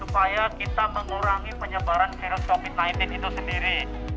supaya kita mengurangi penyebaran virus covid sembilan belas itu sendiri